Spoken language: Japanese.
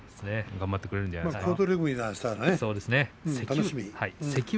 頑張ってくれるんではないでしょうか。